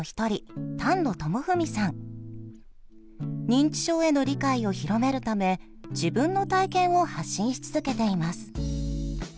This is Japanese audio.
認知症への理解を広めるため自分の体験を発信し続けています。